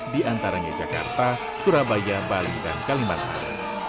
di antaranya jakarta surabaya bali dan kalimantan